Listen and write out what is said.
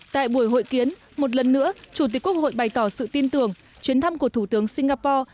tại buổi hội kiến một lần nữa chủ tịch quốc hội bày tỏ sự tin tưởng chuyến thăm của thủ tướng singapore